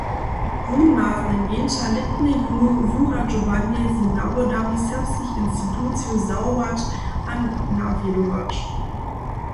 Wón ma znajmjeńša lětnje jónu wuradźowanja z nawodami serbskich institucijow zwołać a nawjedować.